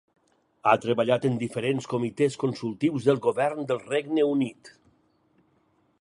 Ha treballat en diferents comitès consultius del govern del Regne Unit.